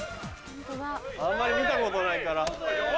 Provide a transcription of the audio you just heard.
あんまり見たことないから。